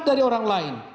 dari orang lain